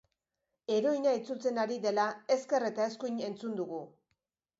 Heroina itzultzen ari dela ezker eta eskuin entzun dugu.